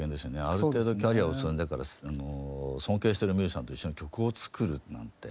ある程度キャリアを積んでから尊敬してるミュージシャンと一緒に曲を作るなんて。